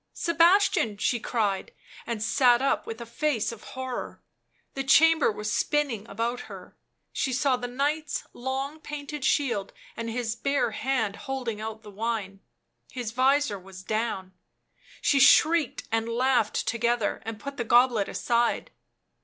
"Sebastian!" she cried, and sat up with a face of horror ; the chamber was spinning about her ; she saw the Knight's long painted shield and his bare hand holding out the wine ; his visor was down. She shrieked and laughed together, and put the goblet aside.